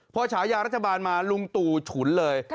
พอฉายารัฐบาลมาลุงตู่ฉุนเลย